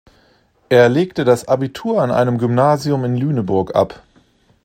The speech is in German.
Er legte das Abitur an einem Gymnasium in Lüneburg ab.